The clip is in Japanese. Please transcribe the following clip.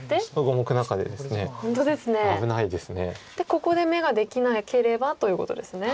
ここで眼ができなければということですね。